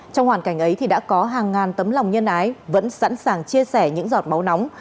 trong hoàn cảnh ấy thì đã có hàng ngàn tấm lòng nhân ái vẫn sẵn sàng chia sẻ những giọt máu nóng